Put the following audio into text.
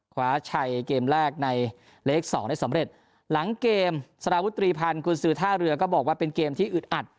คว้าชัยเกมแรกในเล็กสองได้สำเร็จหลังเกมสารวุตรีพันธ์กุญสือท่าเรือก็บอกว่าเป็นเกมที่อึดอัด